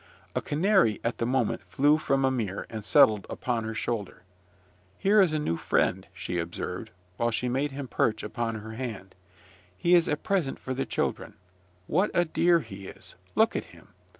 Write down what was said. A canary at the moment flew from a mirror, and settled upon her shoulder. "Here is a new friend," she observed, while she made him perch upon her hand: "he is a present for the children. What a dear he is! Look at him!